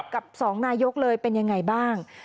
กับ๒นายกเลยเป็นยังไงบ้าง